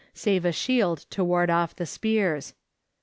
save a shield to ward off the spears.